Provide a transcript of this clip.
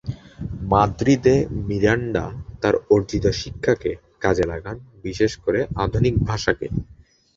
মাদ্রিদে Miranda তার অর্জিত শিক্ষাকে কাজে লাগান বিশেষ করে আধুনিক ভাষাকে।